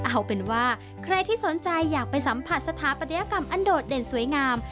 เอาเป็นว่าใครที่สนใจอยากไปสัมผัสสถาปัตยกรรมอันโดดเด่นสวยงาม